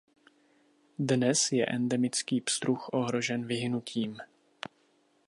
Dnes je endemický pstruh ohrožen vyhynutím.